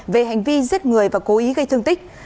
về hành vi giết người và cố ý gây thương tích